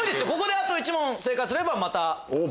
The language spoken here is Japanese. あと１問正解すればまた。